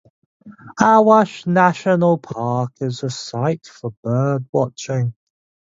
Awash National Park is a site for birdwatching.